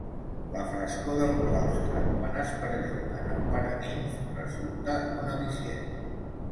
La frescor del claustre, que es perllonga en el paranimf, resulta un al·licient.